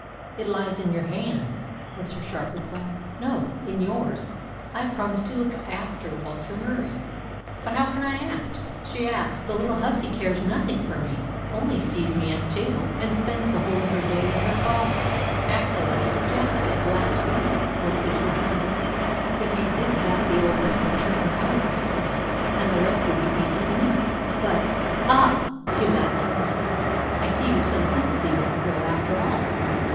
"It lies in your hands," was her sharp reply. "No; in yours. I have promised to look after Walter Murie." "But how can I act?" she asked. "The little hussy cares nothing for me only sees me at table, and spends the whole of her day with her father." "Act as I suggested last week," was his rejoinder. "If you did that the old man would turn her out of the place, and the rest would be easy enough." "But " "Ah!" he laughed derisively, "I see you've some sympathy with the girl after all.